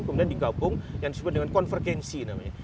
kemudian digabung yang disebut dengan konvergensi namanya